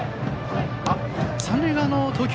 三塁側の投球